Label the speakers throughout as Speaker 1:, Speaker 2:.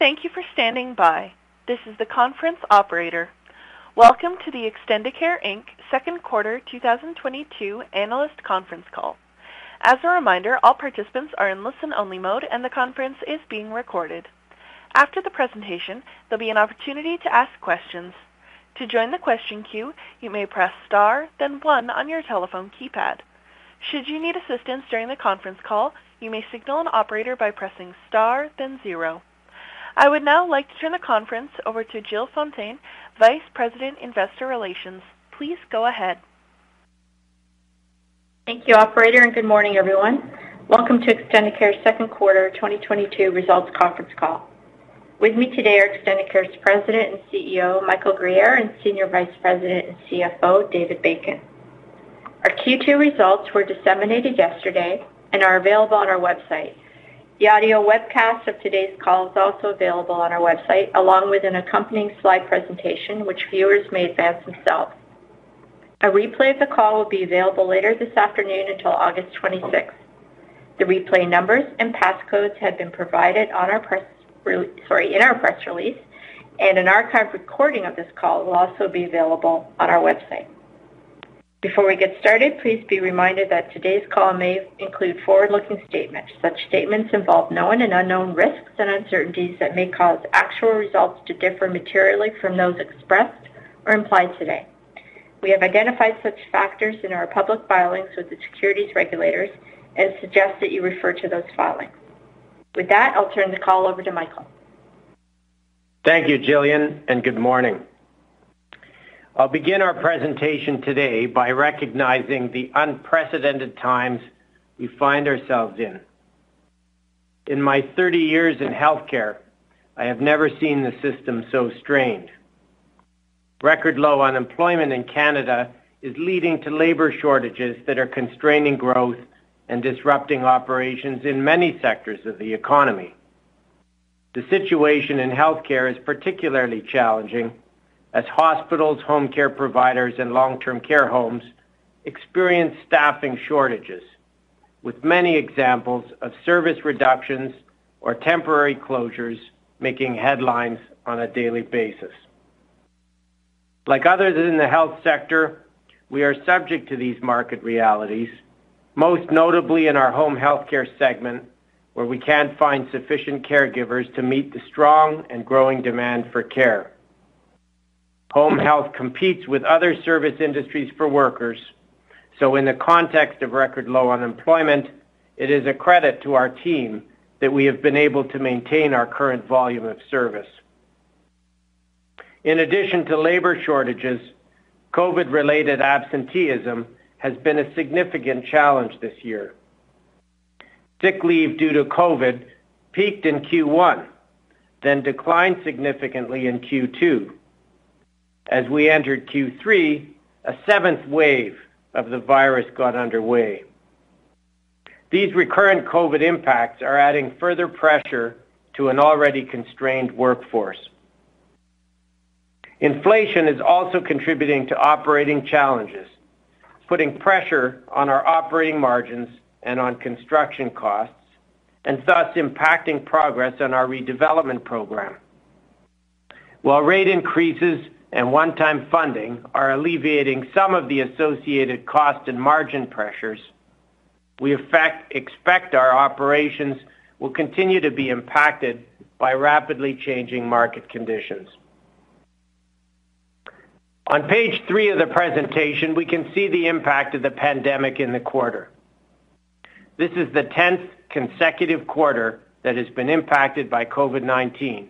Speaker 1: Thank you for standing by. This is the conference operator. Welcome to the Extendicare Inc. Second Quarter 2022 analyst conference call. As a reminder, all participants are in listen-only mode and the conference is being recorded. After the presentation, there'll be an opportunity to ask questions. To join the question queue, you may press star, then one on your telephone keypad. Should you need assistance during the conference call, you may signal an operator by pressing star, then zero. I would now like to turn the conference over to Jillian Fountain, Vice President, Investor Relations. Please go ahead.
Speaker 2: Thank you, operator, and good morning, everyone. Welcome to Extendicare's second quarter 2022 results conference call. With me today are Extendicare's President and CEO, Michael Guerriere, and Senior Vice President and CFO, David Bacon. Our Q2 results were disseminated yesterday and are available on our website. The audio webcast of today's call is also available on our website, along with an accompanying slide presentation which viewers may advance themselves. A replay of the call will be available later this afternoon until August 26th. The replay numbers and passcodes have been provided in our press release, and an archived recording of this call will also be available on our website. Before we get started, please be reminded that today's call may include forward-looking statements. Such statements involve known and unknown risks and uncertainties that may cause actual results to differ materially from those expressed or implied today. We have identified such factors in our public filings with the securities regulators and suggest that you refer to those filings. With that, I'll turn the call over to Michael.
Speaker 3: Thank you, Jillian, and good morning. I'll begin our presentation today by recognizing the unprecedented times we find ourselves in. In my 30 years in healthcare, I have never seen the system so strained. Record low unemployment in Canada is leading to labor shortages that are constraining growth and disrupting operations in many sectors of the economy. The situation in healthcare is particularly challenging as hospitals, home care providers, and long-term care homes experience staffing shortages, with many examples of service reductions or temporary closures making headlines on a daily basis. Like others in the health sector, we are subject to these market realities, most notably in our home healthcare segment, where we can't find sufficient caregivers to meet the strong and growing demand for care. Home health competes with other service industries for workers, so in the context of record low unemployment, it is a credit to our team that we have been able to maintain our current volume of service. In addition to labor shortages, COVID-related absenteeism has been a significant challenge this year. Sick leave due to COVID peaked in Q1, then declined significantly in Q2. As we entered Q3, a seventh wave of the virus got underway. These recurrent COVID impacts are adding further pressure to an already constrained workforce. Inflation is also contributing to operating challenges, putting pressure on our operating margins and on construction costs, and thus impacting progress on our redevelopment program. While rate increases and one-time funding are alleviating some of the associated cost and margin pressures, we expect our operations will continue to be impacted by rapidly changing market conditions. On page three of the presentation, we can see the impact of the pandemic in the quarter. This is the tenth consecutive quarter that has been impacted by COVID-19.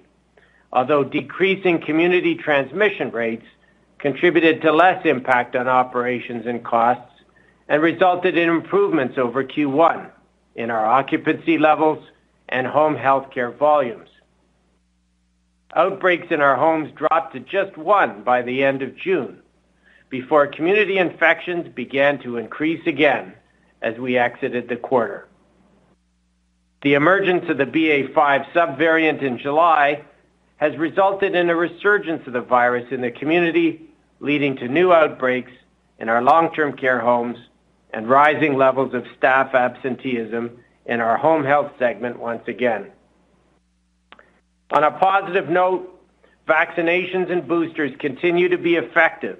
Speaker 3: Although decreasing community transmission rates contributed to less impact on operations and costs and resulted in improvements over Q1 in our occupancy levels and home healthcare volumes. Outbreaks in our homes dropped to just one by the end of June before community infections began to increase again as we exited the quarter. The emergence of the BA.5 subvariant in July has resulted in a resurgence of the virus in the community, leading to new outbreaks in our long-term care homes and rising levels of staff absenteeism in our home health segment once again. On a positive note, vaccinations and boosters continue to be effective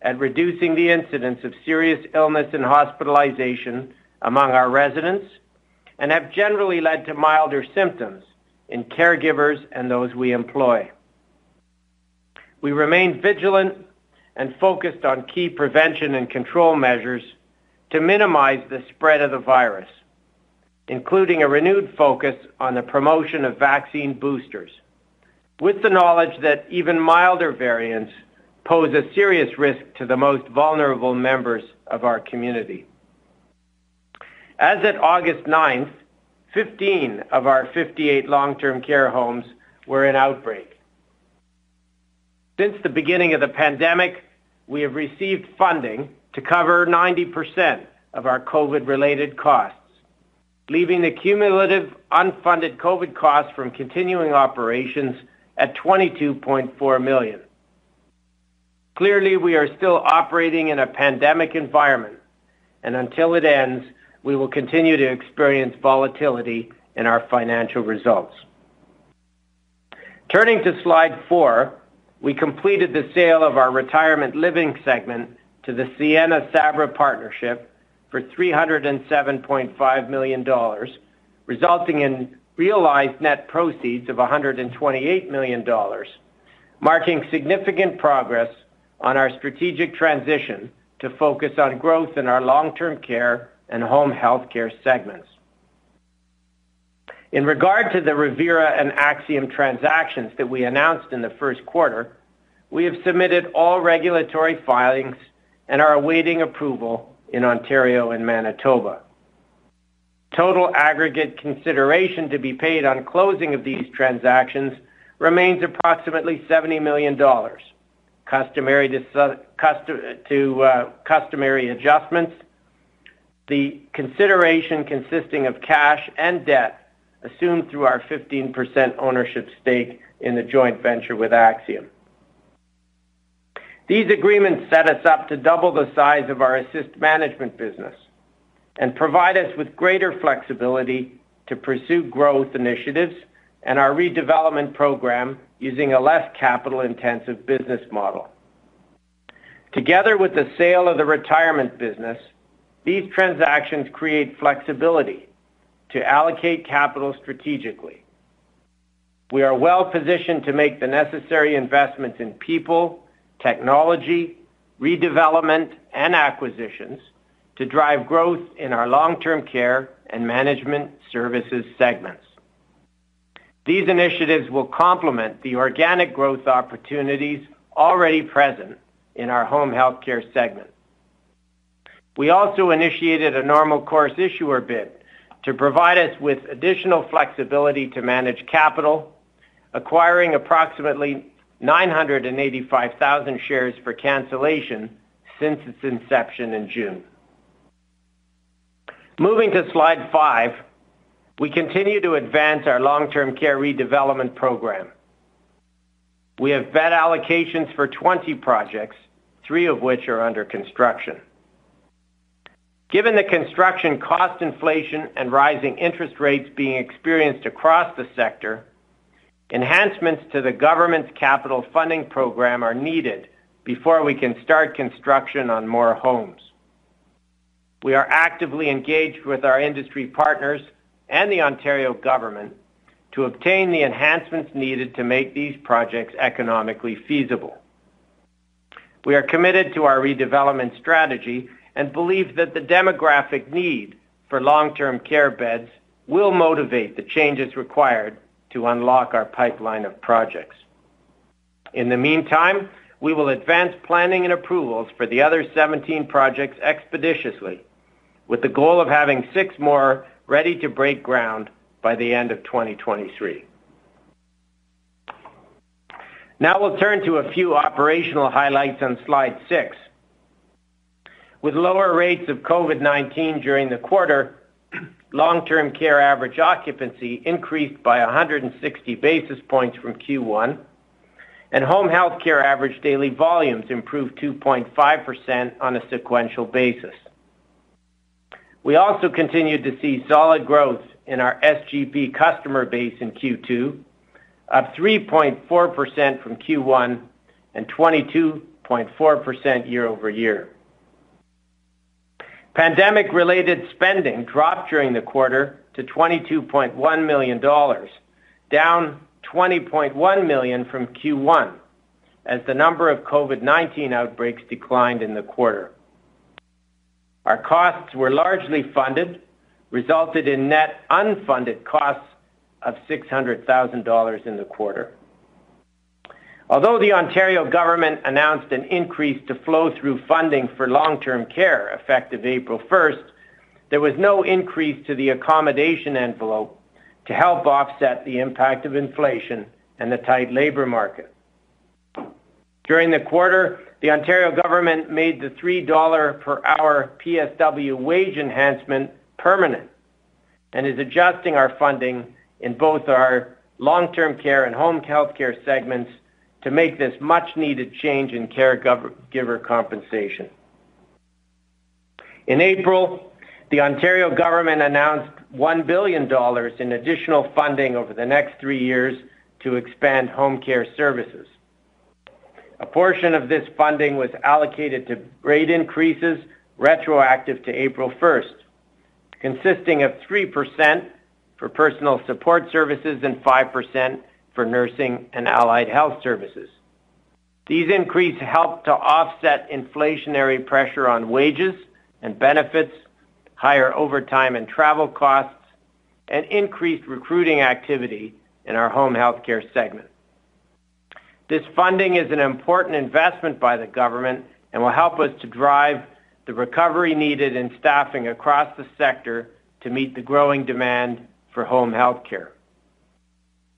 Speaker 3: at reducing the incidence of serious illness and hospitalization among our residents and have generally led to milder symptoms in caregivers and those we employ. We remain vigilant and focused on key prevention and control measures to minimize the spread of the virus, including a renewed focus on the promotion of vaccine boosters with the knowledge that even milder variants pose a serious risk to the most vulnerable members of our community. As of August 9, 15 of our 58 long-term care homes were in outbreak. Since the beginning of the pandemic, we have received funding to cover 90% of our COVID-related costs, leaving the cumulative unfunded COVID costs from continuing operations at 22.4 million. Clearly, we are still operating in a pandemic environment, and until it ends, we will continue to experience volatility in our financial results. Turning to slide four, we completed the sale of our retirement living segment to the Sienna-Sabra LP for 307.5 million dollars, resulting in realized net proceeds of 128 million dollars, marking significant progress on our strategic transition to focus on growth in our long-term care and home health care segments. In regard to the Revera and Axium transactions that we announced in the first quarter, we have submitted all regulatory filings and are awaiting approval in Ontario and Manitoba. Total aggregate consideration to be paid on closing of these transactions remains approximately 70 million dollars. Customary adjustments. The consideration consisting of cash and debt assumed through our 15% ownership stake in the joint venture with Axium. These agreements set us up to double the size of our Assist management business and provide us with greater flexibility to pursue growth initiatives and our redevelopment program using a less capital-intensive business model. Together with the sale of the retirement business, these transactions create flexibility to allocate capital strategically. We are well-positioned to make the necessary investments in people, technology, redevelopment, and acquisitions to drive growth in our long-term care and management services segments. These initiatives will complement the organic growth opportunities already present in our home health care segment. We also initiated a normal course issuer bid to provide us with additional flexibility to manage capital, acquiring approximately 985,000 shares for cancellation since its inception in June. Moving to slide five, we continue to advance our long-term care redevelopment program. We have bed allocations for 20 projects, three of which are under construction. Given the construction cost inflation and rising interest rates being experienced across the sector, enhancements to the government's capital funding program are needed before we can start construction on more homes. We are actively engaged with our industry partners and the Ontario government to obtain the enhancements needed to make these projects economically feasible. We are committed to our redevelopment strategy and believe that the demographic need for long-term care beds will motivate the changes required to unlock our pipeline of projects. In the meantime, we will advance planning and approvals for the other 17 projects expeditiously with the goal of having six more ready to break ground by the end of 2023. Now we'll turn to a few operational highlights on slide six. With lower rates of COVID-19 during the quarter, long-term care average occupancy increased by 160 basis points from Q1, and home health care average daily volumes improved 2.5% on a sequential basis. We also continued to see solid growth in our SGP customer base in Q2 of 3.4% from Q1 and 22.4% year-over-year. Pandemic-related spending dropped during the quarter to 22.1 million dollars, down 20.1 million from Q1, as the number of COVID-19 outbreaks declined in the quarter. Our costs were largely funded, resulted in net unfunded costs of 600,000 dollars in the quarter. Although the Ontario government announced an increase to flow through funding for long-term care effective April 1st, there was no increase to the accommodation envelope to help offset the impact of inflation and the tight labor market. During the quarter, the Ontario government made the 3 dollar per hour PSW wage enhancement permanent and is adjusting our funding in both our long-term care and home health care segments to make this much-needed change in caregiver compensation. In April, the Ontario government announced 1 billion dollars in additional funding over the next three years to expand home care services. A portion of this funding was allocated to rate increases retroactive to April 1st, consisting of 3% for personal support services and 5% for nursing and allied health services. These increases help to offset inflationary pressure on wages and benefits, higher overtime and travel costs, and increased recruiting activity in our home health care segment. This funding is an important investment by the government and will help us to drive the recovery needed in staffing across the sector to meet the growing demand for home health care.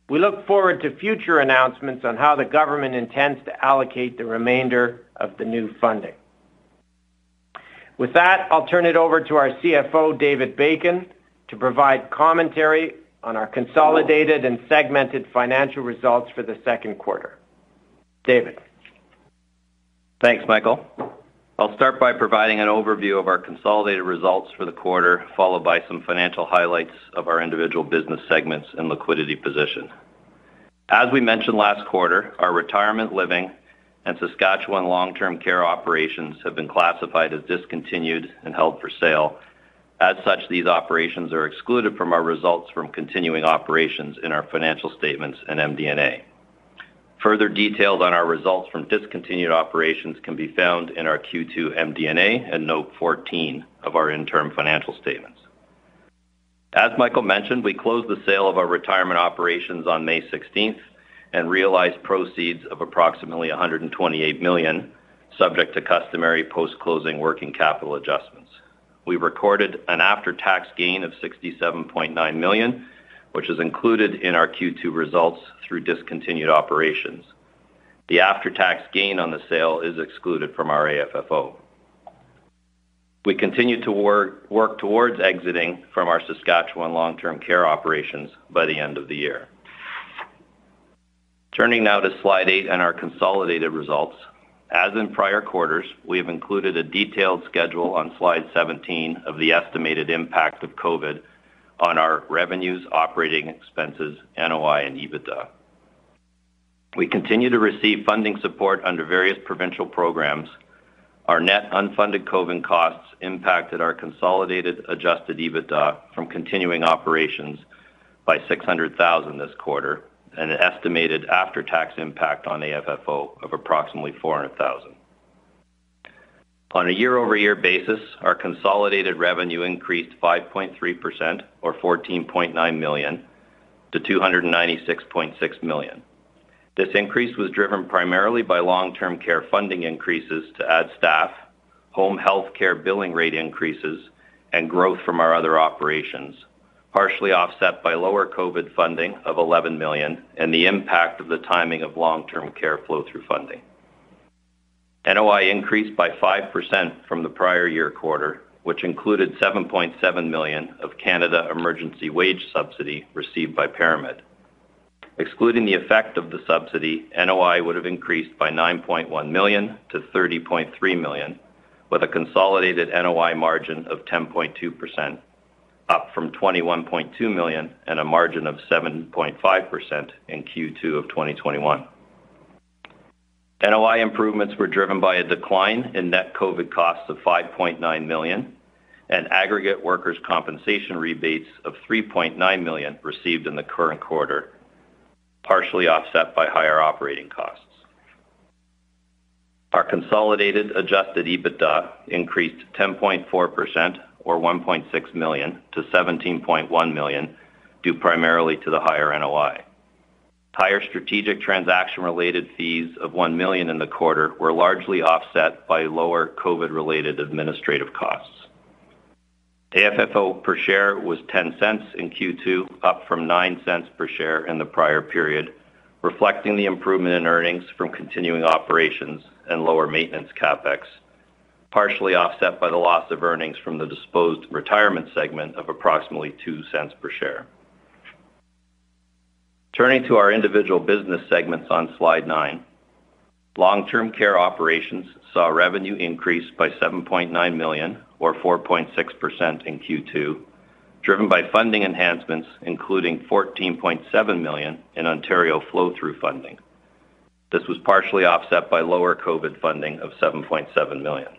Speaker 3: We look forward to future announcements on how the government intends to allocate the remainder of the new funding. With that, I'll turn it over to our CFO, David Bacon, to provide commentary on our consolidated and segmented financial results for the second quarter. David.
Speaker 4: Thanks, Michael. I'll start by providing an overview of our consolidated results for the quarter, followed by some financial highlights of our individual business segments and liquidity position. As we mentioned last quarter, our retirement living and Saskatchewan long-term care operations have been classified as discontinued and held for sale. As such, these operations are excluded from our results from continuing operations in our financial statements and MD&A. Further details on our results from discontinued operations can be found in our Q2 MD&A and Note 14 of our interim financial statements. As Michael mentioned, we closed the sale of our retirement operations on May 16th and realized proceeds of approximately 128 million, subject to customary post-closing working capital adjustments. We recorded an after-tax gain of CAD 67.9 million, which is included in our Q2 results through discontinued operations. The after-tax gain on the sale is excluded from our AFFO. We continue to work towards exiting from our Saskatchewan long-term care operations by the end of the year. Turning now to slide eight and our consolidated results, as in prior quarters, we have included a detailed schedule on Slide 17 of the estimated impact of COVID on our revenues, operating expenses, NOI, and EBITDA. We continue to receive funding support under various provincial programs. Our net unfunded COVID costs impacted our consolidated adjusted EBITDA from continuing operations by 600,000 this quarter and an estimated after-tax impact on AFFO of approximately 400,000. On a year-over-year basis, our consolidated revenue increased 5.3% or 14.9 million to 296.6 million. This increase was driven primarily by long-term care funding increases to add staff, home health care billing rate increases, and growth from our other operations, partially offset by lower COVID funding of 11 million and the impact of the timing of long-term care flow-through funding. NOI increased by 5% from the prior year quarter, which included 7.7 million of Canada Emergency Wage Subsidy received by ParaMed. Excluding the effect of the subsidy, NOI would have increased by 9.1 million-30.3 million, with a consolidated NOI margin of 10.2%, up from 21.2 million and a margin of 7.5% in Q2 of 2021. NOI improvements were driven by a decline in net COVID costs of 5.9 million and aggregate workers' compensation rebates of 3.9 million received in the current quarter, partially offset by higher operating costs. Our consolidated adjusted EBITDA increased 10.4%, or 1.6 million-17.1 million, due primarily to the higher NOI. Higher strategic transaction-related fees of 1 million in the quarter were largely offset by lower COVID-related administrative costs. AFFO per share was 0.10 in Q2, up from 0.09 per share in the prior period, reflecting the improvement in earnings from continuing operations and lower maintenance CapEx, partially offset by the loss of earnings from the disposed retirement segment of approximately 0.02 per share. Turning to our individual business segments on Slide nine, long-term care operations saw revenue increase by 7.9 million, or 4.6%, in Q2, driven by funding enhancements, including 14.7 million in Ontario flow-through funding. This was partially offset by lower COVID funding of 7.7 million.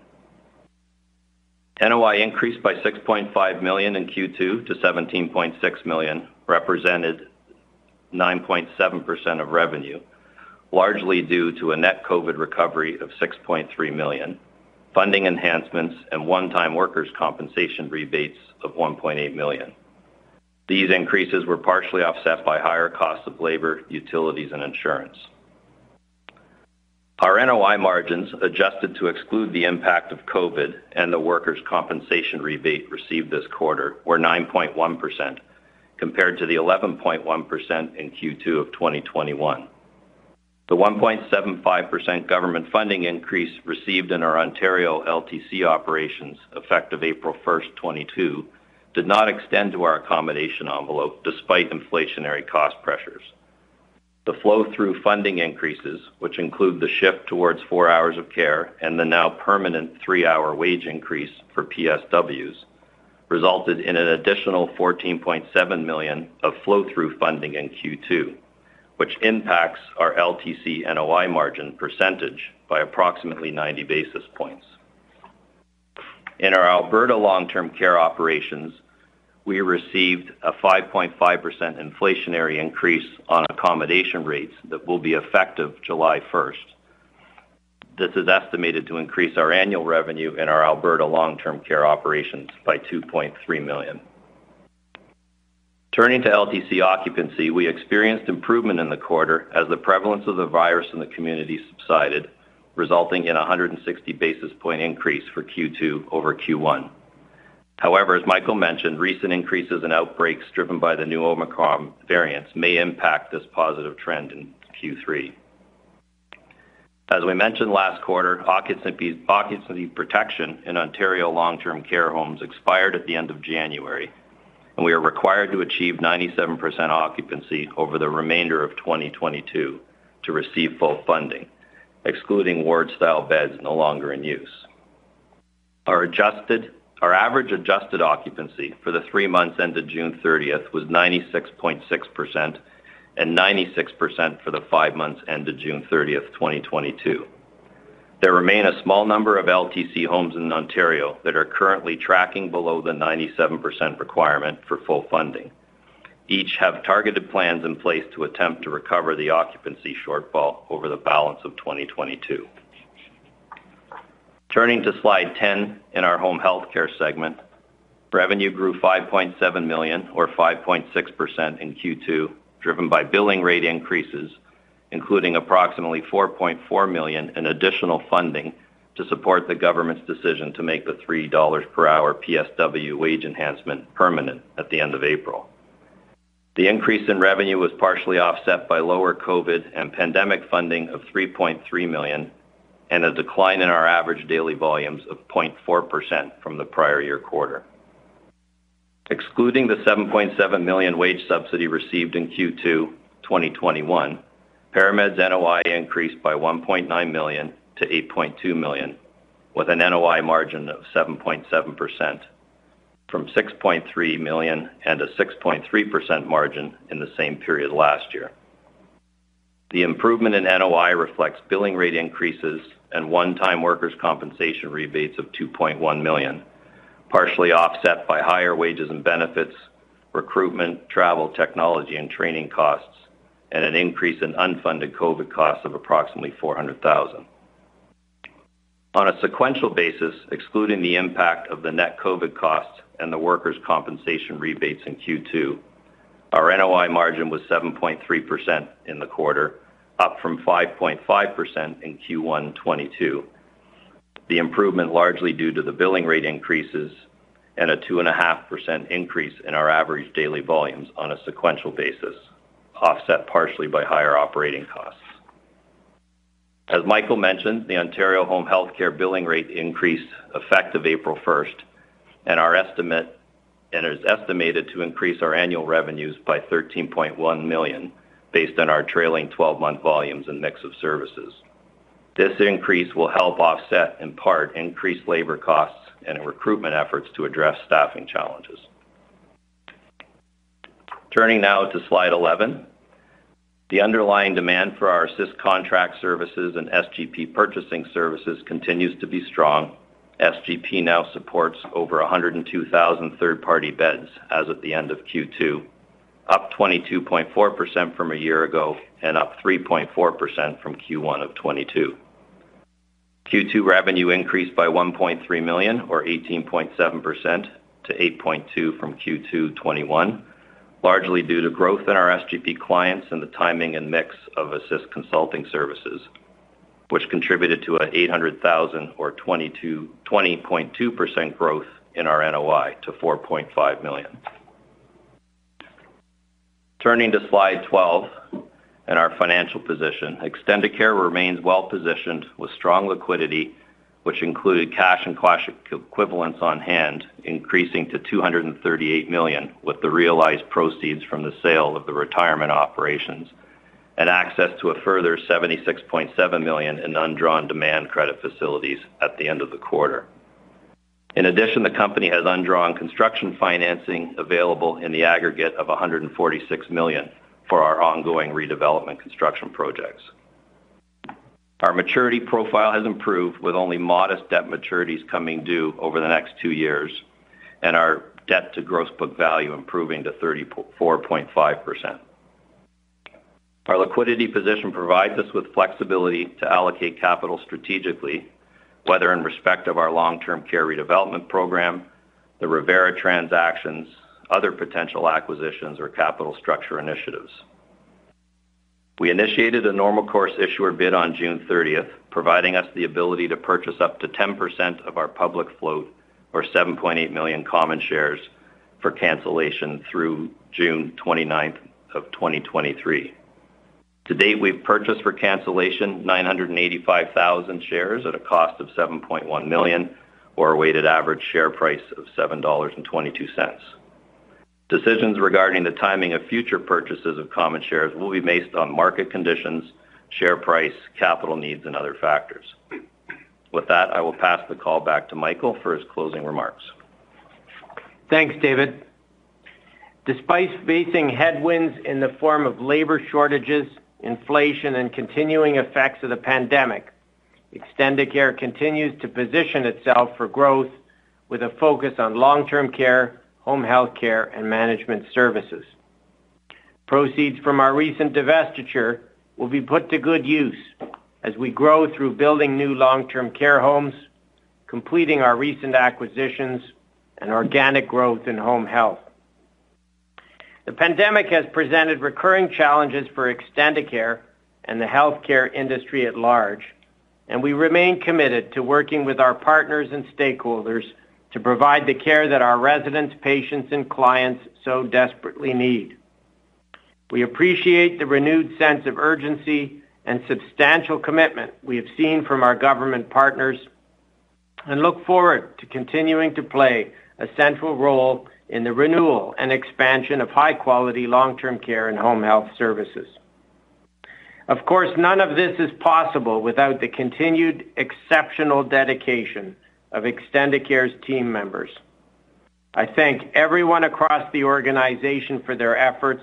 Speaker 4: NOI increased by 6.5 million in Q2 to 17.6 million, represented 9.7% of revenue, largely due to a net COVID recovery of 6.3 million, funding enhancements, and one-time workers' compensation rebates of 1.8 million. These increases were partially offset by higher costs of labor, utilities, and insurance. Our NOI margins, adjusted to exclude the impact of COVID and the workers' compensation rebate received this quarter, were 9.1%, compared to the 11.1% in Q2 of 2021. The 1.75% government funding increase received in our Ontario LTC operations, effective April 1st, 2022, did not extend to our accommodation envelope, despite inflationary cost pressures. The flow-through funding increases, which include the shift towards four hours of care and the now permanent three-hour wage increase for PSWs, resulted in an additional 14.7 million of flow-through funding in Q2, which impacts our LTC NOI margin percentage by approximately 90 basis points. In our Alberta long-term care operations, we received a 5.5% inflationary increase on accommodation rates that will be effective July 1st. This is estimated to increase our annual revenue in our Alberta long-term care operations by 2.3 million. Turning to LTC occupancy, we experienced improvement in the quarter as the prevalence of the virus in the community subsided, resulting in a 160 basis point increase for Q2 over Q1. However, as Michael mentioned, recent increases in outbreaks driven by the new Omicron variant may impact this positive trend in Q3. As we mentioned last quarter, occupancy protection in Ontario long-term care homes expired at the end of January, and we are required to achieve 97% occupancy over the remainder of 2022 to receive full funding, excluding ward style beds no longer in use. Our average adjusted occupancy for the three months ended June 30th was 96.6% and 96% for the five months ended June 30, 2022. There remain a small number of LTC homes in Ontario that are currently tracking below the 97% requirement for full funding. Each have targeted plans in place to attempt to recover the occupancy shortfall over the balance of 2022. Turning to slide 10 in our home health care segment. Revenue grew 5.7 million or 5.6% in Q2, driven by billing rate increases, including approximately 4.4 million in additional funding to support the government's decision to make the 3 dollars per hour PSW wage enhancement permanent at the end of April. The increase in revenue was partially offset by lower COVID and pandemic funding of 3.3 million and a decline in our average daily volumes of 0.4% from the prior year quarter. Excluding the 7.7 million wage subsidy received in Q2 2021, ParaMed's NOI increased by 1.9 million to 8.2 million, with an NOI margin of 7.7% from 6.3 million and a 6.3% margin in the same period last year. The improvement in NOI reflects billing rate increases and one-time workers compensation rebates of 2.1 million, partially offset by higher wages and benefits, recruitment, travel, technology, and training costs, and an increase in unfunded COVID costs of approximately 400,000. On a sequential basis, excluding the impact of the net COVID costs and the workers compensation rebates in Q2, our NOI margin was 7.3% in the quarter, up from 5.5% in Q1 2022. The improvement largely due to the billing rate increases and a 2.5% increase in our average daily volumes on a sequential basis, offset partially by higher operating costs. As Michael mentioned, the Ontario Home Health Care billing rate increase, effective April 1st, and is estimated to increase our annual revenues by 13.1 million based on our trailing 12-month volumes and mix of services. This increase will help offset, in part, increased labor costs and recruitment efforts to address staffing challenges. Turning now to slide 11. The underlying demand for our assist contract services and SGP purchasing services continues to be strong. SGP now supports over 102,000 third-party beds as at the end of Q2, up 22.4% from a year ago and up 3.4% from Q1 of 2022. Q2 revenue increased by 1.3 million or 18.7% to 8.2 million from Q2 2021, largely due to growth in our SGP clients and the timing and mix of Assist consulting services, which contributed to 800,000 or 20.2% growth in our NOI to 4.5 million. Turning to slide 12 and our financial position. Extendicare remains well-positioned with strong liquidity, which included cash and cash equivalents on hand, increasing to 238 million with the realized proceeds from the sale of the retirement operations and access to a further 76.7 million in undrawn demand credit facilities at the end of the quarter. In addition, the company has undrawn construction financing available in the aggregate of 146 million for our ongoing redevelopment construction projects. Our maturity profile has improved with only modest debt maturities coming due over the next two years and our debt to gross book value improving to 34.5%. Our liquidity position provides us with flexibility to allocate capital strategically, whether in respect of our long-term care redevelopment program, the Revera transactions, other potential acquisitions or capital structure initiatives. We initiated a normal course issuer bid on June 30th, providing us the ability to purchase up to 10% of our public float or 7.8 million common shares for cancellation through June 29th, 2023. To date, we've purchased for cancellation 985,000 shares at a cost of 7.1 million or a weighted average share price of 7.22 dollars. Decisions regarding the timing of future purchases of common shares will be based on market conditions, share price, capital needs, and other factors. With that, I will pass the call back to Michael for his closing remarks.
Speaker 3: Thanks, David. Despite facing headwinds in the form of labor shortages, inflation, and continuing effects of the pandemic, Extendicare continues to position itself for growth with a focus on long-term care, home health care, and management services. Proceeds from our recent divestiture will be put to good use as we grow through building new long-term care homes, completing our recent acquisitions, and organic growth in home health. The pandemic has presented recurring challenges for Extendicare and the healthcare industry at large. We remain committed to working with our partners and stakeholders to provide the care that our residents, patients, and clients so desperately need. We appreciate the renewed sense of urgency and substantial commitment we have seen from our government partners and look forward to continuing to play a central role in the renewal and expansion of high-quality long-term care and home health services. Of course, none of this is possible without the continued exceptional dedication of Extendicare's team members. I thank everyone across the organization for their efforts,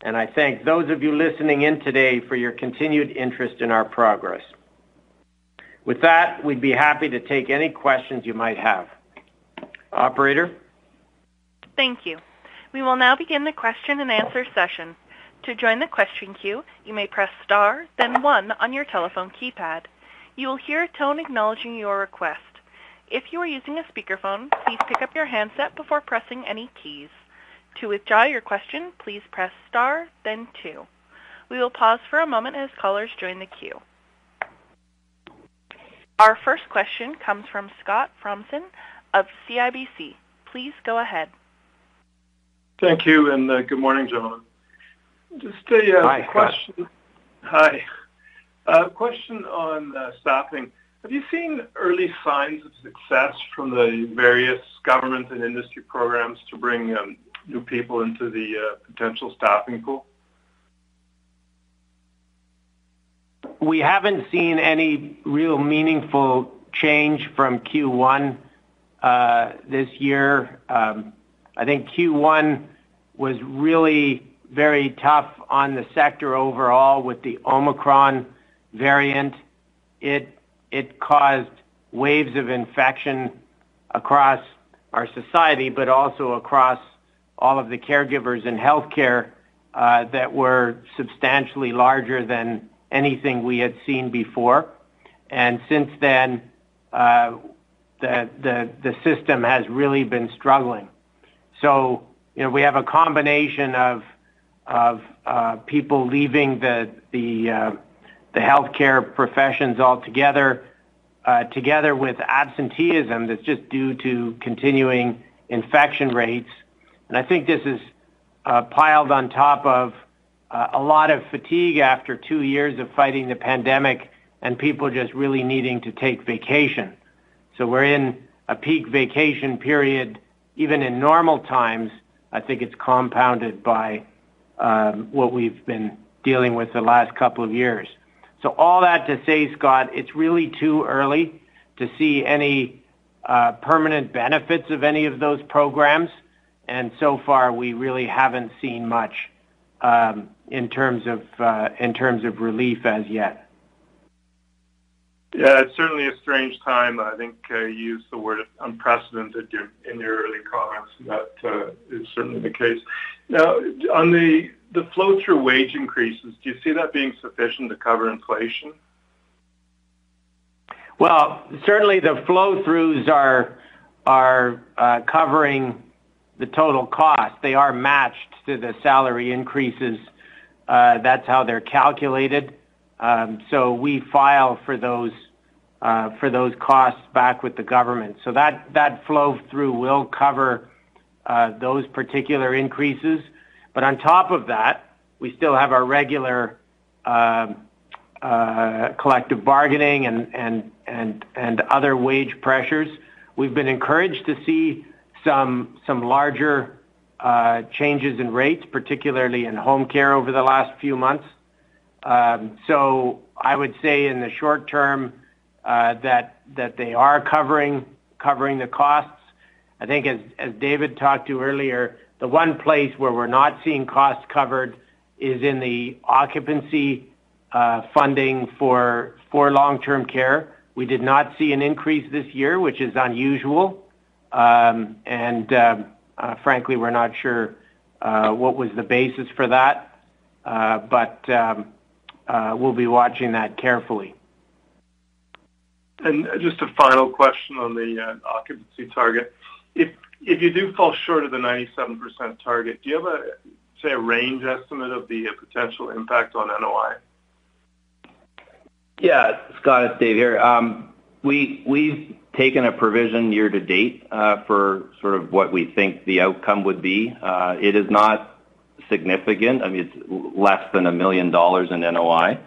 Speaker 3: and I thank those of you listening in today for your continued interest in our progress. With that, we'd be happy to take any questions you might have. Operator?
Speaker 1: Thank you. We will now begin the question and answer session. To join the question queue, you may press star, then one on your telephone keypad. You will hear a tone acknowledging your request. If you are using a speakerphone, please pick up your handset before pressing any keys. To withdraw your question, please press star then two. We will pause for a moment as callers join the queue. Our first question comes from Scott Fromson of CIBC. Please go ahead.
Speaker 5: Thank you, and good morning, gentlemen. Just a
Speaker 3: Hi, Scott.
Speaker 5: A question on staffing. Have you seen early signs of success from the various government and industry programs to bring new people into the potential staffing pool?
Speaker 3: We haven't seen any real meaningful change from Q1 this year. I think Q1 was really very tough on the sector overall with the Omicron variant. It caused waves of infection across our society, but also across all of the caregivers in healthcare that were substantially larger than anything we had seen before. Since then, the system has really been struggling. You know, we have a combination of people leaving the healthcare professions altogether, together with absenteeism that's just due to continuing infection rates. I think this is piled on top of a lot of fatigue after two years of fighting the pandemic and people just really needing to take vacation. We're in a peak vacation period. Even in normal times, I think it's compounded by what we've been dealing with the last couple of years. All that to say, Scott, it's really too early to see any permanent benefits of any of those programs. So far, we really haven't seen much in terms of relief as yet.
Speaker 5: Yeah, it's certainly a strange time. I think you used the word unprecedented in your early comments. That is certainly the case. Now, on the flow through wage increases, do you see that being sufficient to cover inflation?
Speaker 3: Well, certainly the flow throughs are covering the total cost. They are matched to the salary increases. That's how they're calculated. We file for those costs back with the government. That flow through will cover those particular increases. On top of that, we still have our regular collective bargaining and other wage pressures. We've been encouraged to see some larger changes in rates, particularly in home care over the last few months. I would say in the short term that they are covering the costs. I think as David talked to earlier, the one place where we're not seeing costs covered is in the occupancy funding for long-term care. We did not see an increase this year, which is unusual. Frankly, we're not sure what was the basis for that. We'll be watching that carefully.
Speaker 5: Just a final question on the occupancy target. If you do fall short of the 97% target, do you have a, say, a range estimate of the potential impact on NOI?
Speaker 4: Yeah, Scott, it's David here. We've taken a provision year to date for sort of what we think the outcome would be. It is not significant. I mean, it's less than 1 million dollars in NOI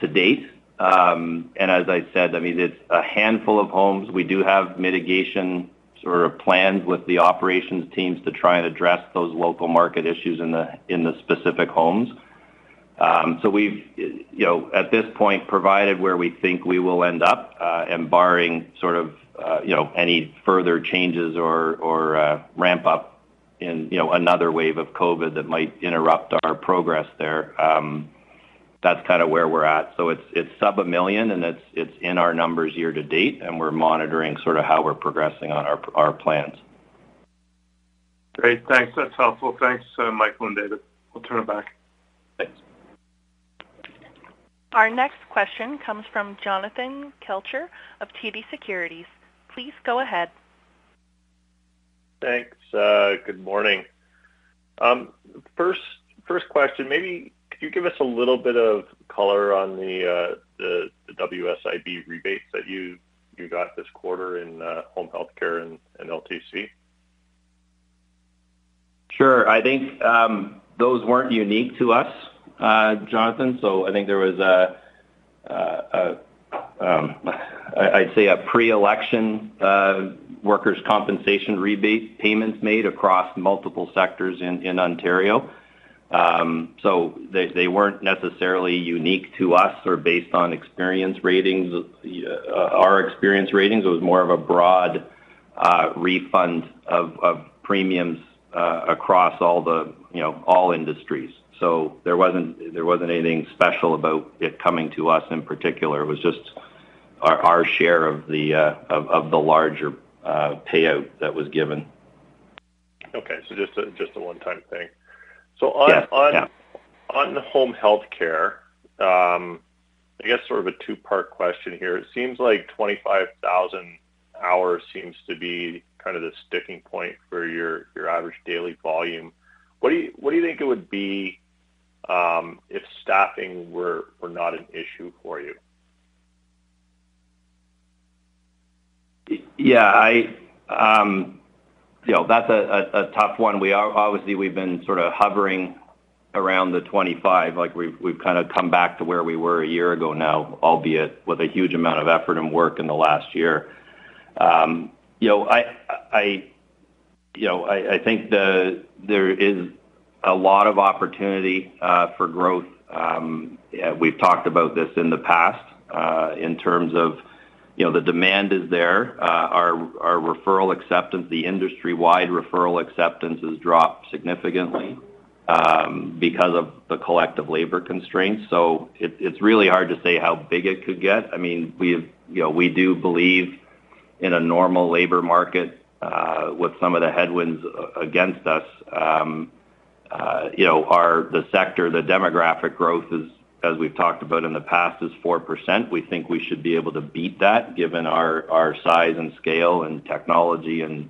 Speaker 4: to date. And as I said, I mean, it's a handful of homes. We do have mitigation sort of plans with the operations teams to try and address those local market issues in the specific homes. So we've, you know, at this point, provided where we think we will end up and barring sort of, you know, any further changes or ramp up in, you know, another wave of COVID that might interrupt our progress there. That's kinda where we're at. It's sub 1 million, and it's in our numbers year to date, and we're monitoring sorta how we're progressing on our plans.
Speaker 5: Great. Thanks. That's helpful. Thanks, Michael and David. We'll turn it back.
Speaker 4: Thanks.
Speaker 1: Our next question comes from Jonathan Kelcher of TD Securities. Please go ahead.
Speaker 6: Thanks. Good morning. First question, maybe could you give us a little bit of color on the WSIB rebates that you got this quarter in home health care and LTC?
Speaker 3: Sure. I think those weren't unique to us, Jonathan. I think there was a pre-election workers' compensation rebate payments made across multiple sectors in Ontario. They weren't necessarily unique to us or based on our experience ratings. It was more of a broad refund of premiums across all the you know all industries. There wasn't anything special about it coming to us in particular. It was just our share of the larger payout that was given.
Speaker 6: Okay. Just a one-time thing.
Speaker 3: Yeah. Yeah.
Speaker 6: On home health care, I guess sort of a two-part question here. It seems like 25,000 hours seems to be kind of the sticking point for your average daily volume. What do you think it would be if staffing were not an issue for you?
Speaker 4: Yeah, I, you know, that's a tough one. Obviously, we've been sort of hovering around the 25. Like, we've kind of come back to where we were a year ago now, albeit with a huge amount of effort and work in the last year. You know, I think there is a lot of opportunity for growth. We've talked about this in the past in terms of, you know, the demand is there. Our referral acceptance, the industry-wide referral acceptance has dropped significantly because of the collective labor constraints. It's really hard to say how big it could get. I mean, you know, we do believe in a normal labor market with some of the headwinds against us. You know, our sector, the demographic growth is, as we've talked about in the past, 4%. We think we should be able to beat that given our size and scale and technology and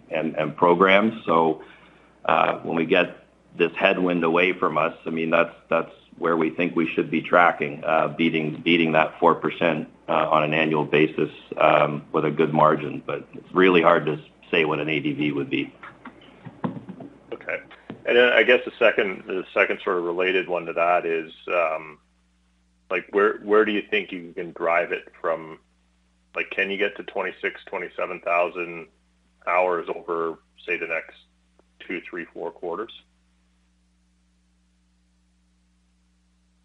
Speaker 4: programs. When we get this headwind away from us, I mean, that's where we think we should be tracking, beating that 4% on an annual basis with a good margin. It's really hard to say what an ADV would be.
Speaker 6: Okay. Then I guess the second sort of related one to that is, like where do you think you can drive it from? Like, can you get to 26-27,000 hours over, say, the next two, three, four quarters?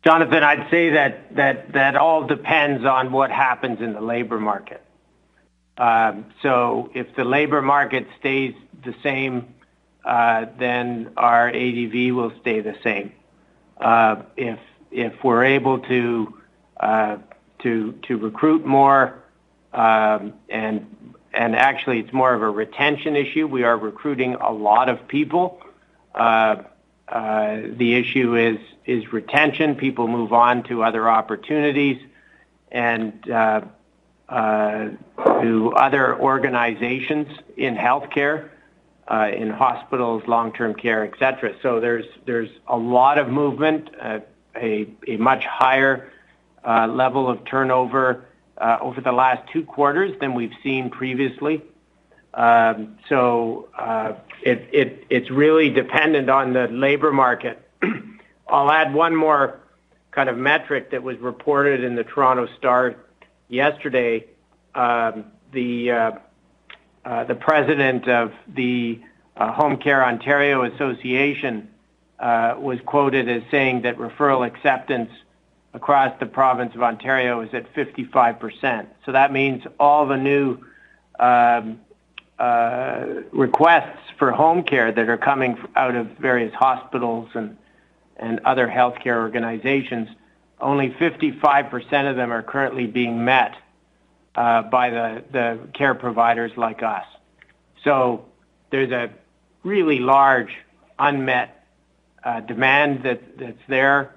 Speaker 3: Jonathan, I'd say that all depends on what happens in the labor market. If the labor market stays the same, then our ADV will stay the same. If we're able to recruit more, and actually it's more of a retention issue. We are recruiting a lot of people. The issue is retention. People move on to other opportunities and to other organizations in healthcare, in hospitals, long-term care, et cetera. There's a lot of movement, a much higher level of turnover over the last two quarters than we've seen previously. It's really dependent on the labor market. I'll add one more kind of metric that was reported in the Toronto Star yesterday. The president of Home Care Ontario was quoted as saying that referral acceptance across the province of Ontario is at 55%. That means all the new requests for home care that are coming out of various hospitals and other healthcare organizations, only 55% of them are currently being met by the care providers like us. There's a really large unmet demand that's there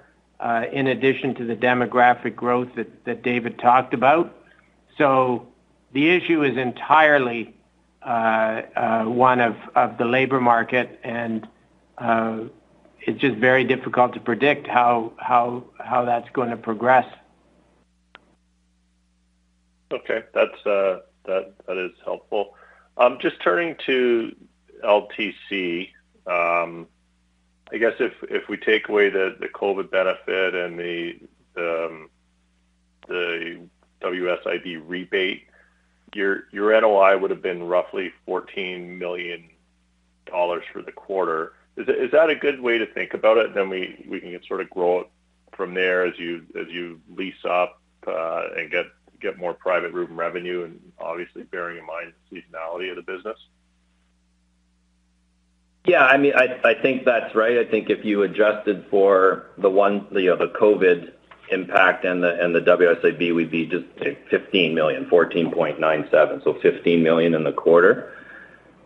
Speaker 3: in addition to the demographic growth that David talked about. The issue is entirely one of the labor market, and it's just very difficult to predict how that's gonna progress.
Speaker 6: Okay. That is helpful. Just turning to LTC. I guess if we take away the COVID benefit and the WSIB rebate, your NOI would have been roughly 14 million dollars for the quarter. Is that a good way to think about it? We can sort of grow it from there as you lease up and get more private room revenue, and obviously bearing in mind the seasonality of the business.
Speaker 4: I mean, I think that's right. I think if you adjusted for the one, you know, the COVID impact and the WSIB, we'd be just 15 million, 14.97 million. 15 million in the quarter.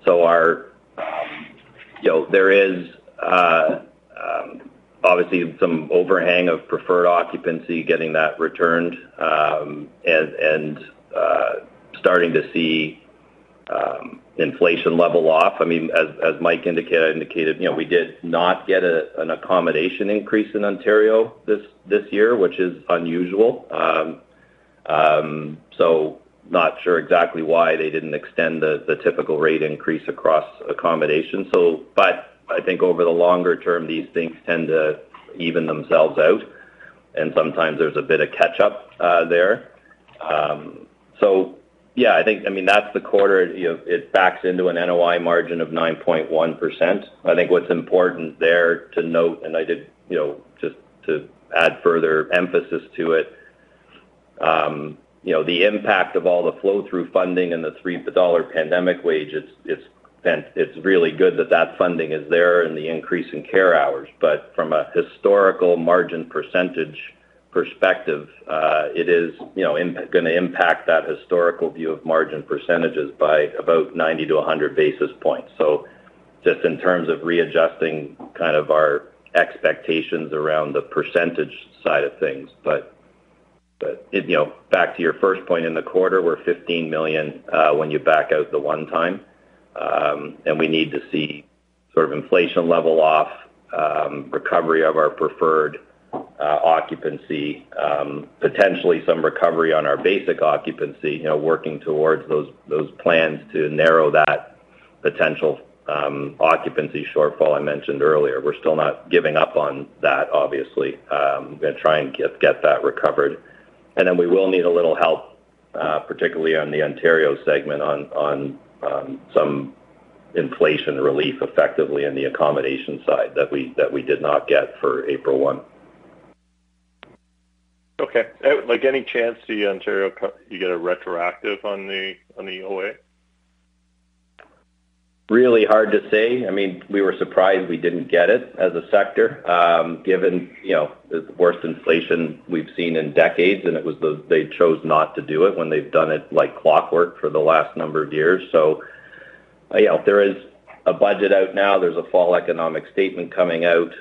Speaker 4: Our, you know, there is Obviously, some overhang of preferred occupancy, getting that returned, and starting to see inflation level off. I mean, as Michael indicated, you know, we did not get an accommodation increase in Ontario this year, which is unusual. Not sure exactly why they didn't extend the typical rate increase across accommodation. I think over the longer term, these things tend to even themselves out, and sometimes there's a bit of catch up there. That's the quarter. You know, it backs into an NOI margin of 9.1%. I think what's important there to note, and I did, you know, just to add further emphasis to it, you know, the impact of all the flow-through funding and the Canada Emergency Wage Subsidy, it's been really good that that funding is there and the increase in care hours. From a historical margin percentage perspective, it is, you know, gonna impact that historical view of margin percentages by about 90-100 basis points. Just in terms of readjusting kind of our expectations around the percentage side of things. You know, back to your first point in the quarter, we're 15 million when you back out the one-time, and we need to see sort of inflation level off, recovery of our preferred occupancy, potentially some recovery on our basic occupancy, you know, working towards those plans to narrow that potential occupancy shortfall I mentioned earlier. We're still not giving up on that, obviously. Gonna try and get that recovered. Then we will need a little help, particularly on the Ontario segment on some inflation relief effectively on the accommodation side that we did not get for April 1.
Speaker 6: Okay. Like, any chance the Ontario you get a retroactive on the OA?
Speaker 4: Really hard to say. I mean, we were surprised we didn't get it as a sector, given, you know, the worst inflation we've seen in decades, and they chose not to do it when they've done it like clockwork for the last number of years. You know, there is a budget out now. There's a fall economic statement coming out.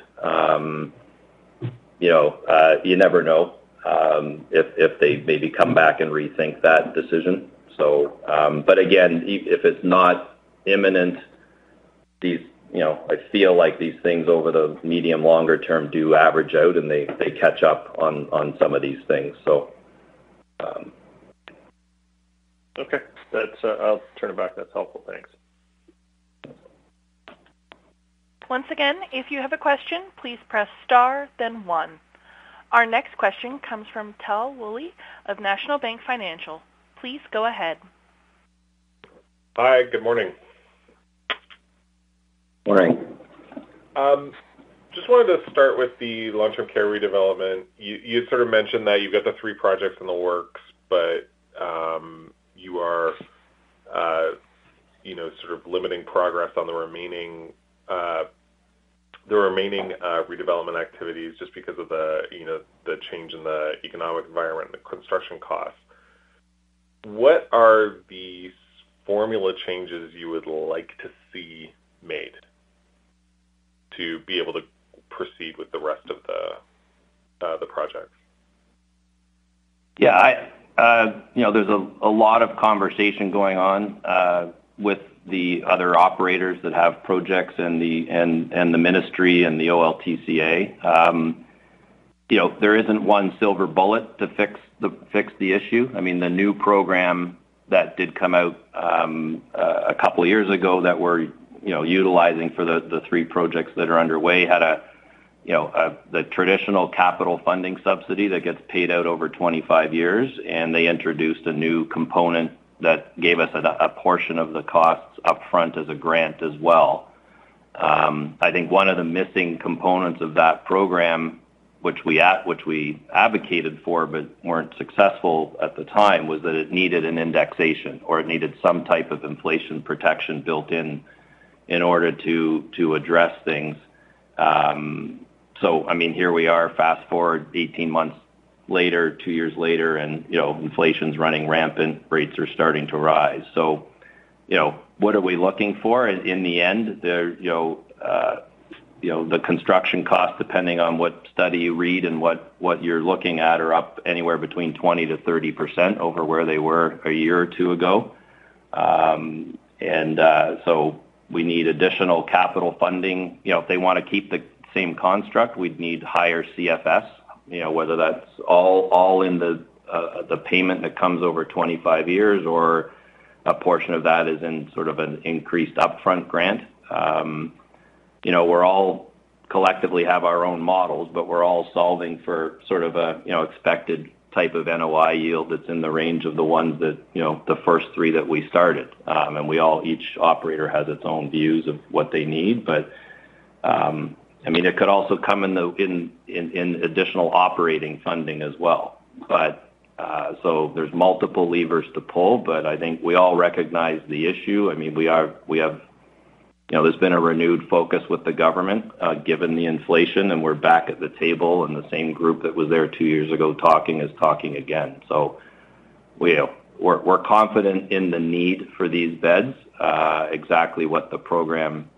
Speaker 4: You know, you never know if they maybe come back and rethink that decision. But again, if it's not imminent, these, you know, I feel like these things over the medium, longer term do average out, and they catch up on some of these things.
Speaker 6: Okay. That's, I'll turn it back. That's helpful. Thanks.
Speaker 1: Once again, if you have a question, please press star then one. Our next question comes from Tal Woolley of National Bank Financial. Please go ahead.
Speaker 7: Hi, good morning.
Speaker 4: Morning.
Speaker 7: Just wanted to start with the long-term care redevelopment. You sort of mentioned that you've got the three projects in the works, but you are, you know, sort of limiting progress on the remaining redevelopment activities just because of the, you know, the change in the economic environment and the construction costs. What are the formula changes you would like to see made to be able to proceed with the rest of the projects?
Speaker 4: Yeah, you know, there's a lot of conversation going on with the other operators that have projects and the ministry and the OLTCA. You know, there isn't one silver bullet to fix the issue. I mean, the new program that did come out a couple of years ago that we're utilizing for the three projects that are underway had the traditional capital funding subsidy that gets paid out over 25 years, and they introduced a new component that gave us a portion of the costs up front as a grant as well. I think one of the missing components of that program, which we advocated for but weren't successful at the time, was that it needed an indexation or it needed some type of inflation protection built in order to address things. I mean, here we are, fast-forward eighteen months later, two years later, and, you know, inflation's running rampant, rates are starting to rise. You know, what are we looking for? In the end there, you know, the construction costs, depending on what study you read and what you're looking at, are up anywhere between 20%-30% over where they were a year or two ago. We need additional capital funding. You know, if they wanna keep the same construct, we'd need higher CFS. You know, whether that's all in the payment that comes over 25 years or a portion of that is in sort of an increased upfront grant. You know, we're all collectively have our own models, but we're all solving for sort of a, you know, expected type of NOI yield that's in the range of the ones that, you know, the first three that we started. Each operator has its own views of what they need. I mean, it could also come in the additional operating funding as well. There's multiple levers to pull, but I think we all recognize the issue. I mean, we have, you know, there's been a renewed focus with the government, given the inflation, and we're back at the table, and the same group that was there two years ago talking is talking again. We're confident in the need for these beds, exactly what the program,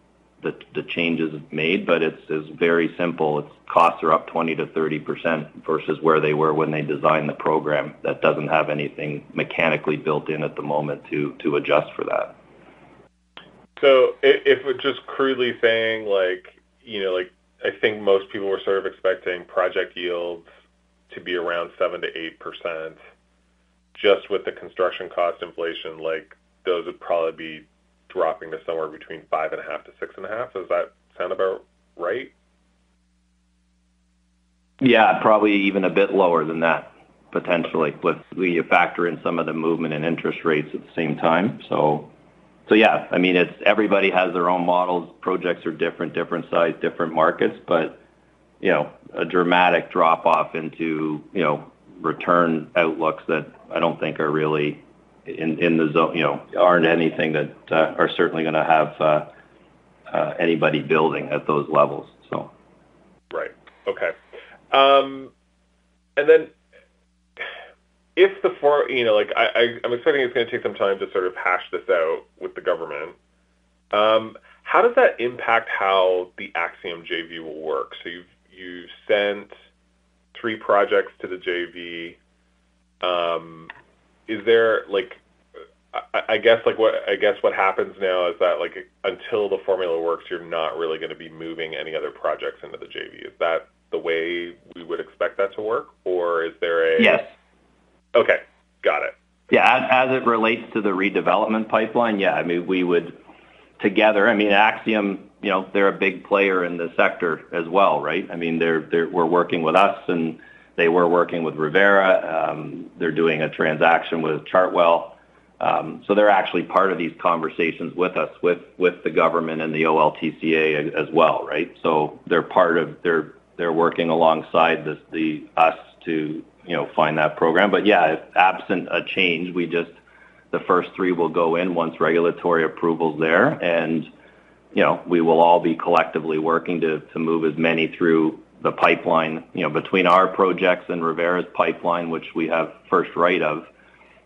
Speaker 4: the changes made, but it's very simple. It's costs are up 20%-30% versus where they were when they designed the program that doesn't have anything mechanically built in at the moment to adjust for that.
Speaker 7: If we're just crudely saying, like, you know, like, I think most people were sort of expecting project yields to be around 7%-8% just with the construction cost inflation, like, those would probably be dropping to somewhere between 5.5%-6.5%. Does that sound about right?
Speaker 4: Yeah. Probably even a bit lower than that, potentially. We factor in some of the movement in interest rates at the same time. Yeah. I mean, it's everybody has their own models. Projects are different size, different markets. You know, a dramatic drop-off into, you know, return outlooks that I don't think are really, you know, aren't anything that are certainly gonna have anybody building at those levels, so.
Speaker 7: Right. Okay. You know, like, I'm assuming it's gonna take some time to sort of hash this out with the government. How does that impact how the Axium JV will work? You've sent three projects to the JV. Is there like, I guess, what happens now is that, like, until the formula works, you're not really gonna be moving any other projects into the JV. Is that the way we would expect that to work, or is there
Speaker 4: Yes.
Speaker 7: Okay. Got it.
Speaker 4: Yeah. As it relates to the redevelopment pipeline, yeah, I mean, we would together I mean, Axium, you know, they're a big player in the sector as well, right? I mean, they're working with us, and they were working with Revera. They're doing a transaction with Chartwell. So they're actually part of these conversations with us, with the government and the OLTCA as well, right? They're part of. They're working alongside us to, you know, find that program. But yeah, absent a change, we just the first three will go in once regulatory approval's there. You know, we will all be collectively working to move as many through the pipeline. You know, between our projects and Revera's pipeline, which we have first right of,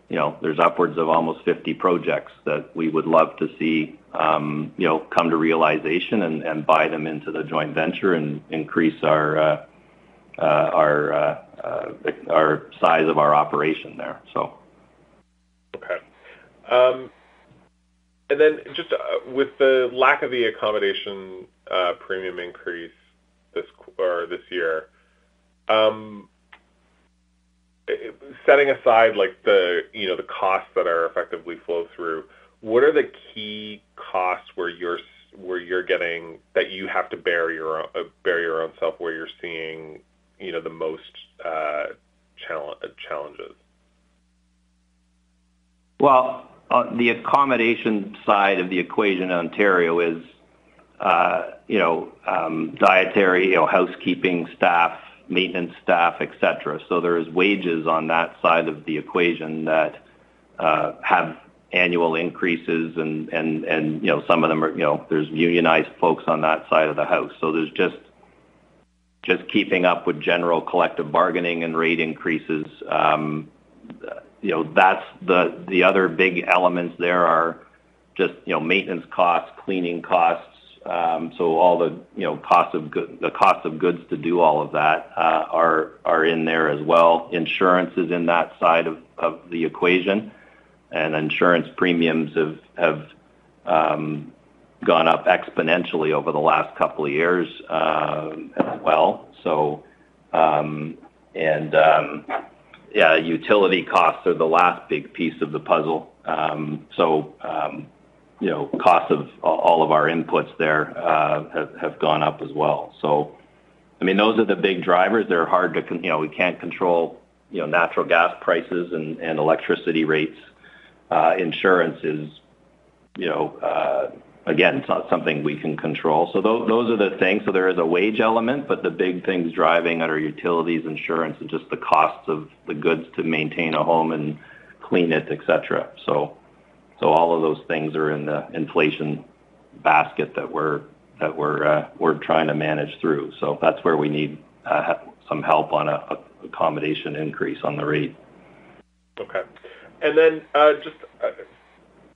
Speaker 4: you know, there's upwards of almost 50 projects that we would love to see, you know, come to realization and buy them into the joint venture and increase our size of our operation there, so.
Speaker 7: Just with the lack of the accommodation premium increase this or this year, setting aside like the, you know, the costs that are effectively flow through, what are the key costs that you have to bear your own self, where you're seeing, you know, the most challenges?
Speaker 4: Well, the accommodation side of the equation in Ontario is, you know, dietary or housekeeping staff, maintenance staff, et cetera. There's wages on that side of the equation that have annual increases and, you know, some of them are, you know. There's unionized folks on that side of the house. There's just keeping up with general collective bargaining and rate increases. You know, that's the other big elements there are just, you know, maintenance costs, cleaning costs. All the, you know, costs of goods to do all of that are in there as well. Insurance is in that side of the equation. Insurance premiums have gone up exponentially over the last couple of years, as well. Utility costs are the last big piece of the puzzle. You know, cost of all of our inputs there have gone up as well. I mean, those are the big drivers. They're hard to control, you know, natural gas prices and electricity rates. Insurance is, you know, again, it's not something we can control. Those are the things. There is a wage element, but the big things driving are our utilities, insurance, and just the costs of the goods to maintain a home and clean it, et cetera. All of those things are in the inflation basket that we're trying to manage through. That's where we need some help on an accommodation increase on the rate.
Speaker 7: Okay. Just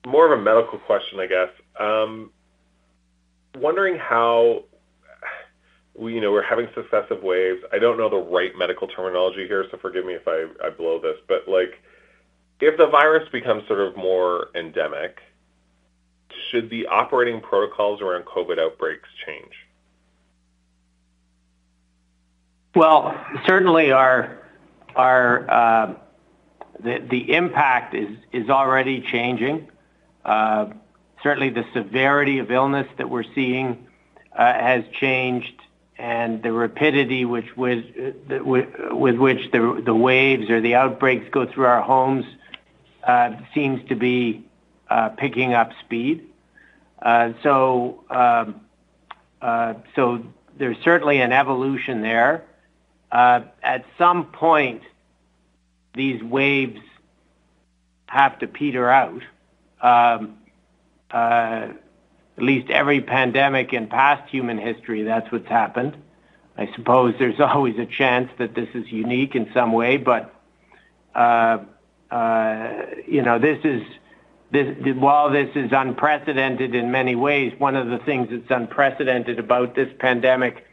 Speaker 7: more of a medical question, I guess. Wondering how, you know, we're having successive waves. I don't know the right medical terminology here, so forgive me if I blow this. Like, if the virus becomes sort of more endemic, should the operating protocols around COVID outbreaks change?
Speaker 3: Well, certainly the impact is already changing. Certainly the severity of illness that we're seeing has changed, and the rapidity with which the waves or the outbreaks go through our homes seems to be picking up speed. There's certainly an evolution there. At some point, these waves have to peter out. At least every pandemic in past human history, that's what's happened. I suppose there's always a chance that this is unique in some way. You know, while this is unprecedented in many ways, one of the things that's unprecedented about this pandemic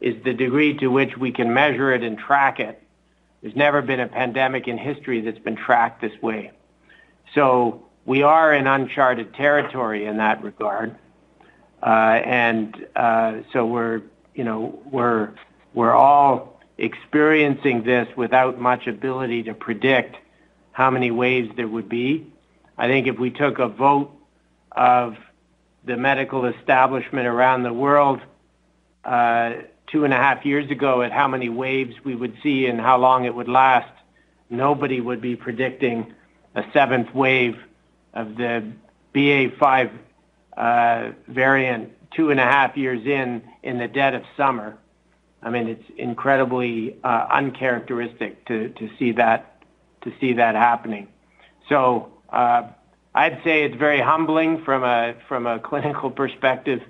Speaker 3: is the degree to which we can measure it and track it. There's never been a pandemic in history that's been tracked this way. We are in uncharted territory in that regard. You know, we're all experiencing this without much ability to predict how many waves there would be. I think if we took a vote of the medical establishment around the world, two and half years ago at how many waves we would see and how long it would last, nobody would be predicting a seventh wave of the BA.5 variant two and half years in the dead of summer. I mean, it's incredibly uncharacteristic to see that happening. I'd say it's very humbling from a clinical perspective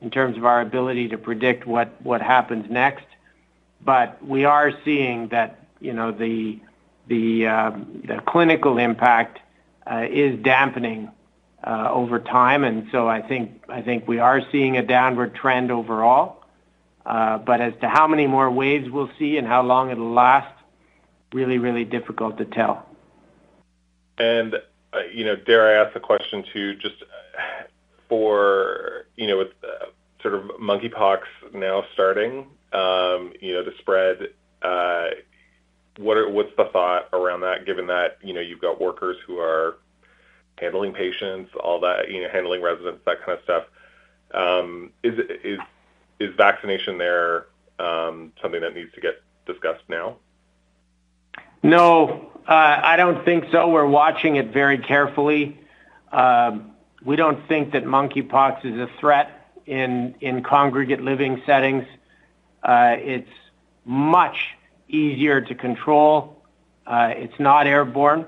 Speaker 3: in terms of our ability to predict what happens next. We are seeing that, you know, the clinical impact is dampening over time. I think we are seeing a downward trend overall. As to how many more waves we'll see and how long it'll last, really difficult to tell.
Speaker 7: Dare I ask the question, too, just for, you know, with sort of monkeypox now starting, you know, to spread, what's the thought around that, given that, you know, you've got workers who are handling patients, all that, you know, handling residents, that kind of stuff? Is vaccination there something that needs to get discussed now?
Speaker 3: No, I don't think so. We're watching it very carefully. We don't think that monkeypox is a threat in congregate living settings. It's much easier to control. It's not airborne.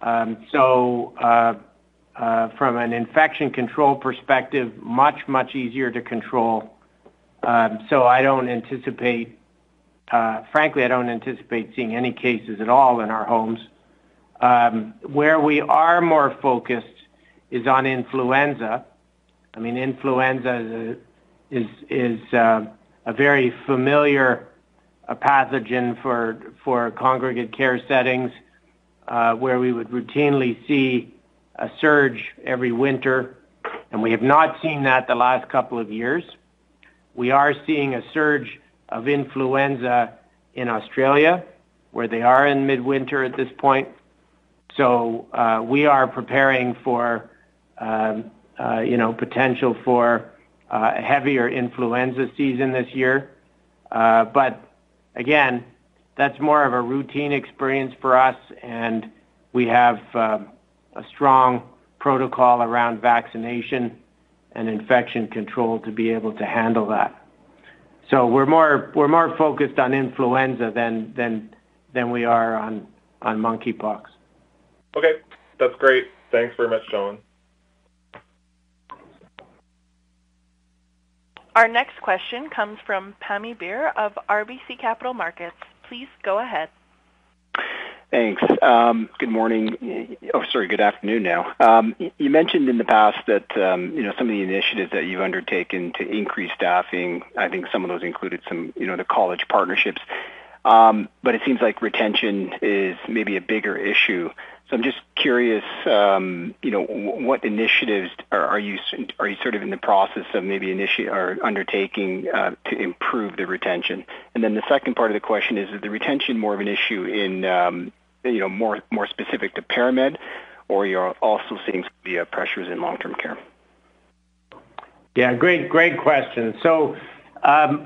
Speaker 3: From an infection control perspective, much easier to control. I don't anticipate, frankly, seeing any cases at all in our homes. Where we are more focused is on influenza. I mean, influenza is a very familiar pathogen for congregate care settings, where we would routinely see a surge every winter, and we have not seen that the last couple of years. We are seeing a surge of influenza in Australia, where they are in midwinter at this point. We are preparing for, you know, potential for a heavier influenza season this year. Again, that's more of a routine experience for us, and we have a strong protocol around vaccination and infection control to be able to handle that. We're more focused on influenza than we are on monkeypox.
Speaker 7: Okay, that's great. Thanks very much sir.
Speaker 1: Our next question comes from Pammi Bir of RBC Capital Markets. Please go ahead.
Speaker 8: Thanks. Good morning. Sorry, good afternoon now. You mentioned in the past that, you know, some of the initiatives that you've undertaken to increase staffing, I think some of those included some, you know, the college partnerships. It seems like retention is maybe a bigger issue. I'm just curious, you know, what initiatives are you sort of in the process of maybe or undertaking to improve the retention? Then the second part of the question is the retention more of an issue in, you know, more specific to ParaMed, or you're also seeing some of the pressures in long-term care?
Speaker 3: Yeah, great question.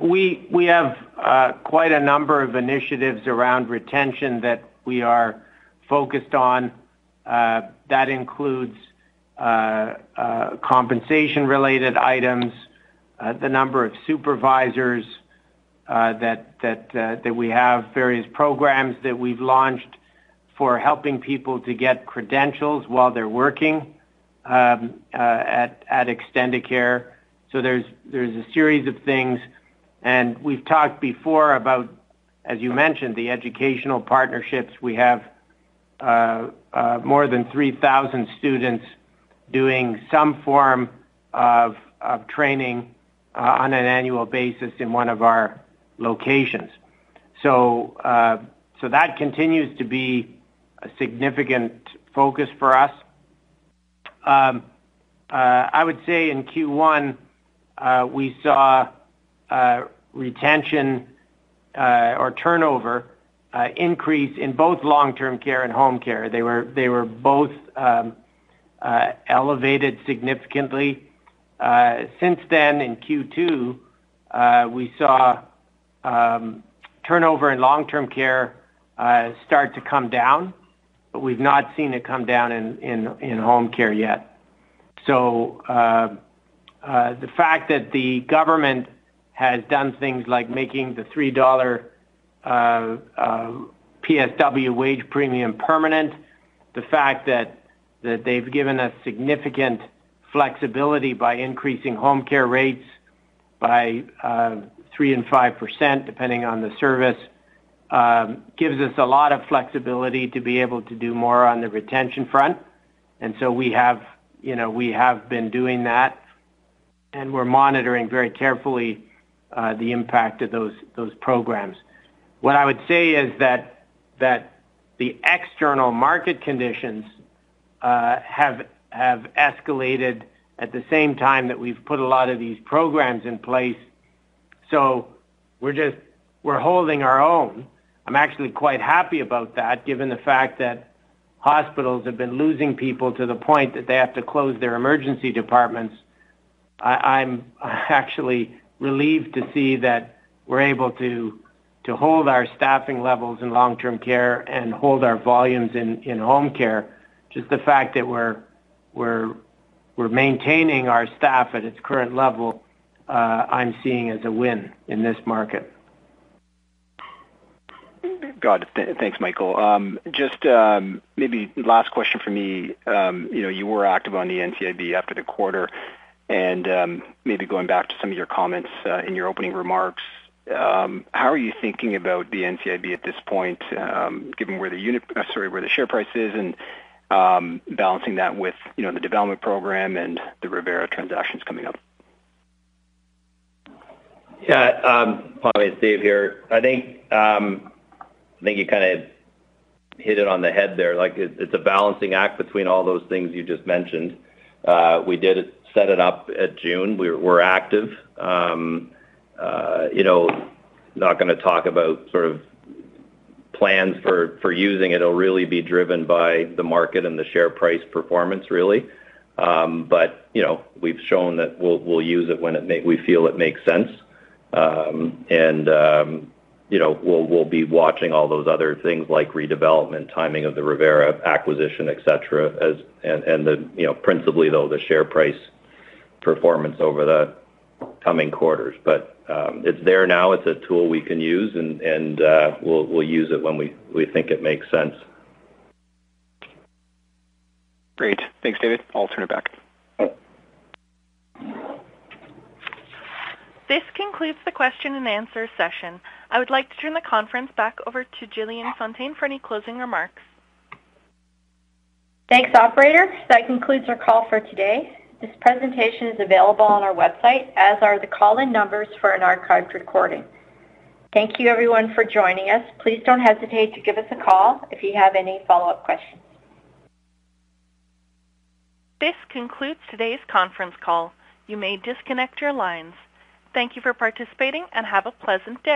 Speaker 3: We have quite a number of initiatives around retention that we are focused on, that includes compensation-related items, the number of supervisors that we have, various programs that we've launched for helping people to get credentials while they're working at Extendicare. There's a series of things. We've talked before about, as you mentioned, the educational partnerships. We have more than 3,000 students doing some form of training on an annual basis in one of our locations. That continues to be a significant focus for us. I would say in Q1, we saw retention or turnover increase in both long-term care and home care. They were both elevated significantly. Since then, in Q2, we saw turnover in long-term care start to come down, but we've not seen it come down in home care yet. The fact that the government has done things like making the 3 dollar PSW wage premium permanent, the fact that they've given us significant flexibility by increasing home care rates by 3% and 5%, depending on the service, gives us a lot of flexibility to be able to do more on the retention front. We have, you know, we have been doing that, and we're monitoring very carefully the impact of those programs. What I would say is that the external market conditions have escalated at the same time that we've put a lot of these programs in place. We're holding our own. I'm actually quite happy about that given the fact that hospitals have been losing people to the point that they have to close their emergency departments. I'm actually relieved to see that we're able to hold our staffing levels in long-term care and hold our volumes in home care. Just the fact that we're maintaining our staff at its current level, I'm seeing as a win in this market.
Speaker 8: Got it. Thanks, Michael. Just maybe last question for me. You know, you were active on the NCIB after the quarter, and maybe going back to some of your comments in your opening remarks, how are you thinking about the NCIB at this point, given where the share price is and balancing that with, you know, the development program and the Revera transactions coming up?
Speaker 4: Yeah. Pammi, it's David here. I think you kinda hit it on the head there. Like, it's a balancing act between all those things you just mentioned. We did set it up at June. We're active. You know, not gonna talk about sort of plans for using it. It'll really be driven by the market and the share price performance, really. You know, we've shown that we'll use it when we feel it makes sense. You know, we'll be watching all those other things like redevelopment, timing of the Revera acquisition, et cetera, and principally, though, the share price performance over the coming quarters. It's there now, it's a tool we can use, and we'll use it when we think it makes sense.
Speaker 8: Great. Thanks, David. I'll turn it back.
Speaker 4: Yep.
Speaker 1: This concludes the question and answer session. I would like to turn the conference back over to Jillian Fountain for any closing remarks.
Speaker 2: Thanks, operator. That concludes our call for today. This presentation is available on our website, as are the call-in numbers for an archived recording. Thank you everyone for joining us. Please don't hesitate to give us a call if you have any follow-up questions.
Speaker 1: This concludes today's conference call. You may disconnect your lines. Thank you for participating, and have a pleasant day.